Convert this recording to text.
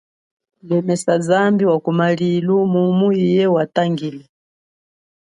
Lemesa zambi wa kumalilu mumu iye wa kutangile.